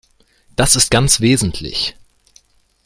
Das ist ganz wesentlich.